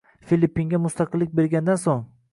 Filippinga mustaqillik bergandan so‘ng